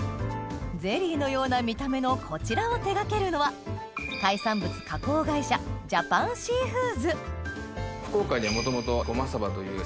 ゼリーのような見た目のこちらを手掛けるのは海産物加工会社福岡には元々。